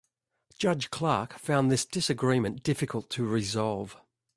Judge Clark found this disagreement difficult to resolve.